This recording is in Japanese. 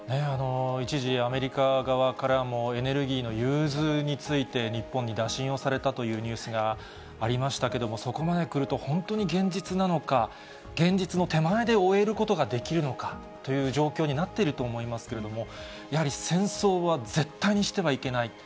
一時、アメリカ側からもエネルギーの融通について、日本に打診をされたというニュースがありましたけれども、そこまでくると本当に現実なのか、現実の手前で終えることができるのかという状況になっていると思いますけれども、やはり戦争は絶対にしてはいけない。